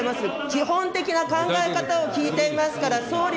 基本的な考え方を聞いていますか